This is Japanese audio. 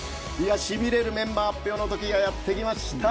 しびれるメンバー発表の時がやってきました。